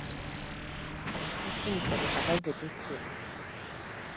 Awo tusese enseko kata zitutte.